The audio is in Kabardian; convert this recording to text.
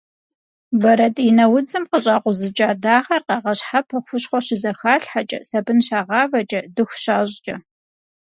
Бэрэтӏинэ удзым къыщӏакъузыкӏа дагъэр къагъэщхьэпэ хущхъуэ щызэхалъхьэкӏэ, сабын щагъавэкӏэ, дыху щащӏкӏэ.